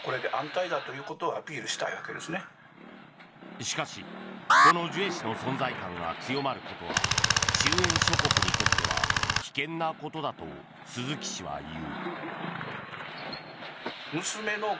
しかしこのジュエ氏の存在感が強まることは周辺諸国にとっては危険なことだと鈴木氏は言う。